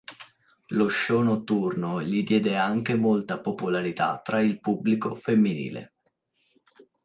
Lo show notturno gli diede anche molta popolarità tra il pubblico femminile.